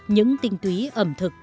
những tinh túy ẩm thực